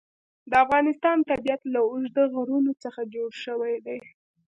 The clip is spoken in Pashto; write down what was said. د افغانستان طبیعت له اوږده غرونه څخه جوړ شوی دی.